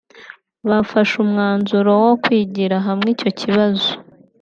bafashe umwanzuro wo kwigira hamwe icyo kibazo